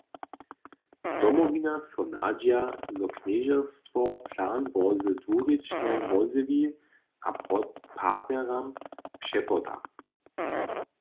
Domowina so nadźija, zo knježerstwo plan bórze dwurěčnje wozjewi a partneram přepoda.